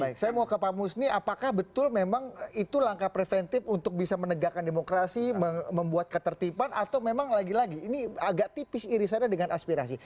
baik saya mau ke pak musni apakah betul memang itu langkah preventif untuk bisa menegakkan demokrasi membuat ketertiban atau memang lagi lagi ini agak tipis irisannya dengan aspirasi